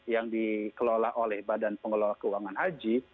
yang dikelola oleh badan pengelola keuangan haji